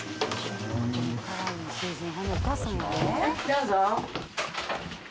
どうぞ。